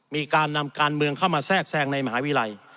มีการนำการเมืองเข้ามาแทรกแทรงในมหาวิทยาลัย